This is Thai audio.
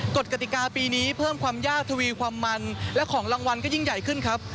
กติกาปีนี้เพิ่มความยากทวีความมันและของรางวัลก็ยิ่งใหญ่ขึ้นครับ